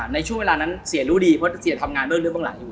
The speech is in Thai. ในช่วงเวลานั้นเสียรู้ดีเพราะเสียทำงานเบื้องลึกเบื้องหลังอยู่